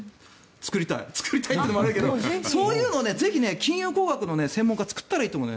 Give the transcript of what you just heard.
作りたいっていうのもあれだけどそういうのをぜひ金融工学の専門家は作ったらいいと思うよね。